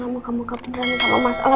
muka muka beneran gak mau masalah